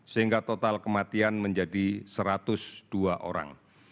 sehingga total kematian menjadi satu ratus dua orang